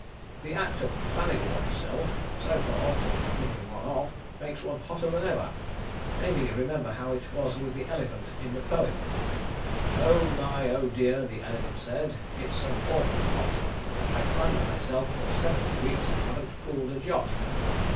The act of fanning one's self, so far from cooling one off, makes one hotter than ever. Maybe you remember how it was with the elephant in the poem: "'Oh my, oh dear!' the elephant said, 'It is so awful hot! I've fanned myself for seventy weeks, And haven't cooled a jot.'